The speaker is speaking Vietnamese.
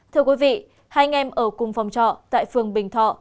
thưa quý vị hai anh em ở cùng phòng trọ tại phường bình thọ